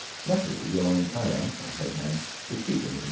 Luckily the Orang kaya, or head man, could speak a little.